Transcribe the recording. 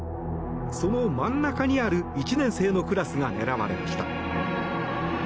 その真ん中にある１年生のクラスが狙われました。